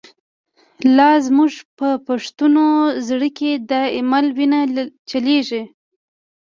لاز موږ په پښتون زړه کی، ”دایمل” وینه چلیږی